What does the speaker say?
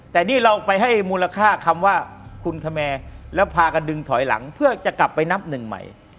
แต่นี่เราไปให้มูลค่าคำว่าคุณคแมแล้วพากันดึงถอยหลังเพื่อจะกลับไปนับหนึ่งใหม่